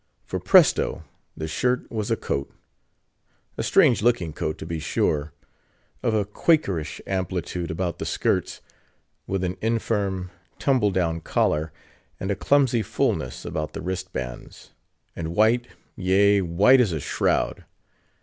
For, presto! the shirt was a coat!—a strange looking coat, to be sure; of a Quakerish amplitude about the skirts; with an infirm, tumble down collar; and a clumsy fullness about the wristbands; and white, yea, white as a shroud.